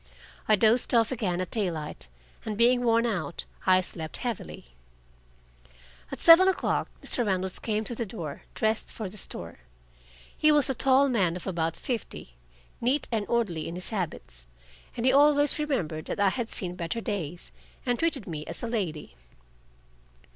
I dozed off again at daylight, and being worn out, I slept heavily. At seven o'clock Mr. Reynolds came to the door, dressed for the store. He was a tall man of about fifty, neat and orderly in his habits, and he always remembered that I had seen better days, and treated me as a lady.